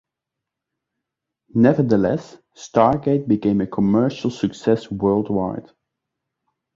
Nevertheless, "Stargate" became a commercial success worldwide.